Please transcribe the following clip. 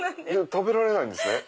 食べられないです。